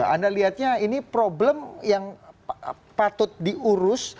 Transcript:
anda lihatnya ini problem yang patut diurus